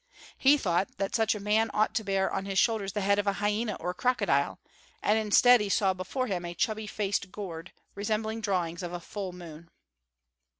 He thought that such a man ought to bear on his shoulders the head of a hyena or a crocodile, and instead he saw before him a chubby faced gourd, resembling drawings of a full moon.